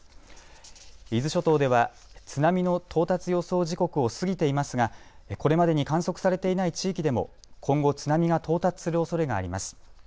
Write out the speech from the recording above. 伊豆諸島では津波の到達予想時刻を過ぎていますがこれまでに観測されていない地域でも今後、津波が到達するおそれがあります。